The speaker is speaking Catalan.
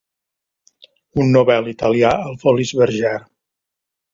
Un Nobel italià al Folies Bergère.